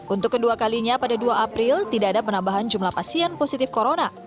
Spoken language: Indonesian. untuk kedua kalinya pada dua april tidak ada penambahan jumlah pasien positif corona